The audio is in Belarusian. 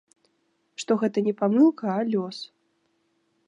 Што гэта не памылка, а лёс.